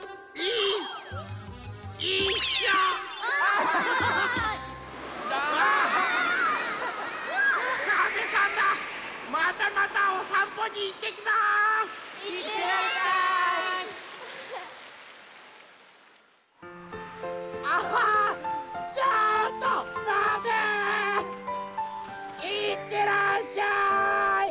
いってらっしゃい！